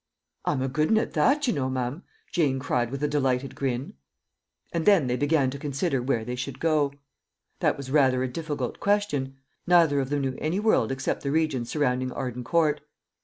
"I'm a good un at that, you know, mum," Jane cried with a delighted grin. And then they began to consider where they should go. That was rather a difficult question. Neither of them knew any world except the region surrounding Arden Court.